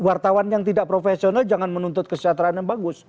wartawan yang tidak profesional jangan menuntut kesejahteraan yang bagus